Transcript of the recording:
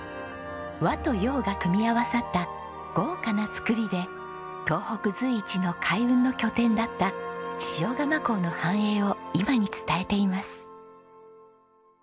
和と洋が組み合わさった豪華な造りで東北随一の海運の拠点だった塩釜港の繁栄を今に伝えています。